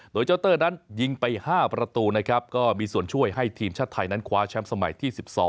โดยเจ้าเตอร์นั้นยิงไป๕ประตูนะครับก็มีส่วนช่วยให้ทีมชาติไทยนั้นคว้าแชมป์สมัยที่๑๒